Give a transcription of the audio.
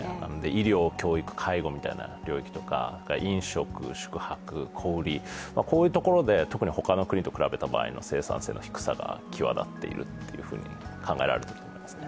医療、教育、介護の領域とか飲食、宿泊、小売、こういうところで特に他の国と比べた場合に生産性の低さが際立っていると言われています